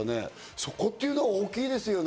そこっていうのは大きいですよね。